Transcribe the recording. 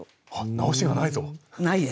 直しがないぞ！